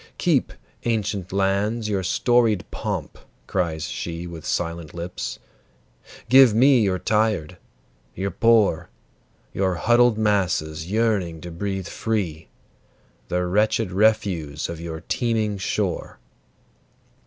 "Keep, ancient lands, your storied pomp!" cries she With silent lips. "Give me your tired, your poor, Your huddled masses yearning to breathe free, The wretched refuse of your teeming shore.